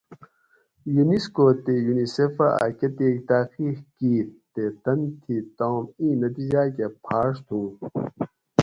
یونیسکو تے یونیسیف اۤ کتیک تحقیق کِیت تے تن تھی تام اِیں نتیجاۤ کۤہ پھاۤݭتُوں،